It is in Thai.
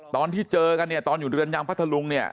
ตอนที่เจอกันเนี่ยตอนอยู่เรือนยางพัทธลุงเนี่ย